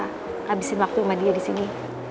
bisa habisin waktu sama dia disini